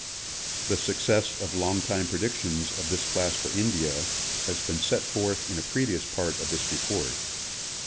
The success of long time predictions of this class for India, has been set forth in a previous part of this report.